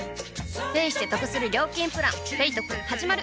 ペイしてトクする料金プラン「ペイトク」始まる！